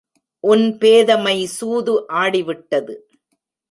உன் பேதைமை சூது ஆடிவிட்டது.